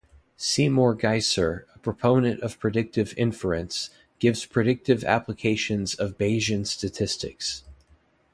Seymour Geisser, a proponent of predictive inference, gives predictive applications of Bayesian statistics.